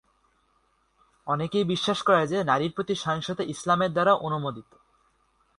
অনেকেই বিশ্বাস করে যে নারীর প্রতি সহিংসতা ইসলামের দ্বারা অনুমোদিত।